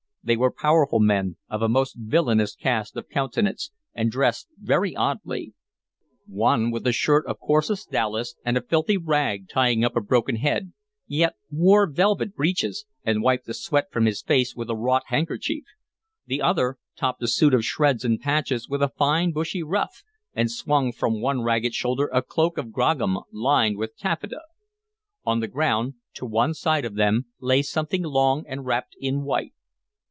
They were powerful men, of a most villainous cast of countenance, and dressed very oddly. One with a shirt of coarsest dowlas, and a filthy rag tying up a broken head, yet wore velvet breeches, and wiped the sweat from his face with a wrought handkerchief; the other topped a suit of shreds and patches with a fine bushy ruff, and swung from one ragged shoulder a cloak of grogram lined with taffeta. On the ground, to one side of them, lay something long and wrapped in white.